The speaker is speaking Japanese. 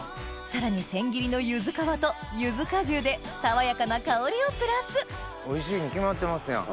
さらに千切りのゆず皮とゆず果汁で爽やかな香りをプラスおいしいに決まってますやん。